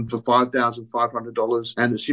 dan menjualnya untuk lima lima ratus